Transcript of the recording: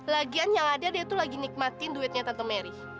lagian yang ada dia itu lagi nikmatin duitnya tante mary